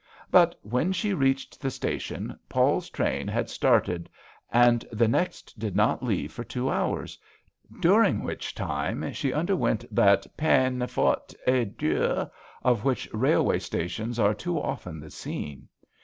But when she reached the station Paul's train had started and the next did not leave for two hours, during which time she underwent that peine forte et dure " of which railway stations are too often the scene.